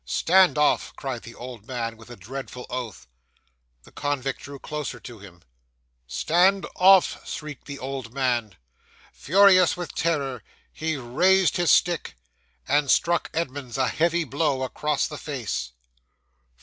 '"Stand off!" cried the old man, with a dreadful oath. The convict drew closer to him. '"Stand off!" shrieked the old man. Furious with terror, he raised his stick, and struck Edmunds a heavy blow across the face.